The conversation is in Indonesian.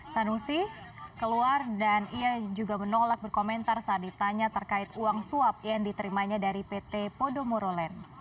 sanusi keluar dan ia juga menolak berkomentar saat ditanya terkait uang suap yang diterimanya dari pt podomoro land